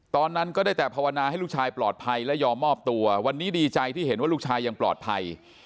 ตอนนั้นก็ได้แต่ภาวนาให้ลูกชายปลอดภัยและยอมมอบตัววันนี้ดีใจที่เห็นว่าลูกชายยังปลอดภัย